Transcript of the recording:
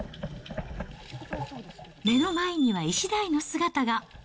目の前にはイシダイの姿が。